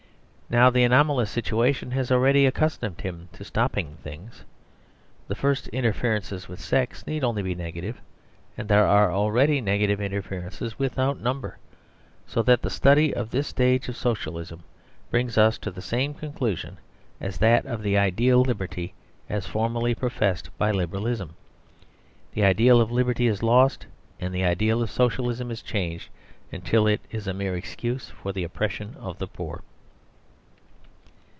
Now the anomalous situation has already accustomed him to stopping things. The first interferences with sex need only be negative; and there are already negative interferences without number. So that the study of this stage of Socialism brings us to the same conclusion as that of the ideal of liberty as formally professed by Liberalism. The ideal of liberty is lost, and the ideal of Socialism is changed, till it is a mere excuse for the oppression of the poor.